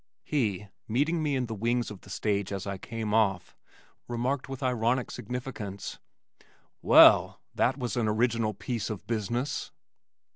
He, meeting me in the wings of the stage as I came off, remarked with ironic significance, "Well, that was an original piece of business!"